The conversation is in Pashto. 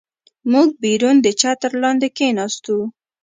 موږ بیرون د چتر لاندې کېناستو.